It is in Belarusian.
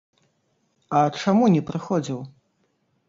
А чаму не прыходзіў?